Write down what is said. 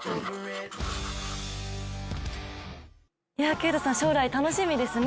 啓太さん、将来楽しみですね。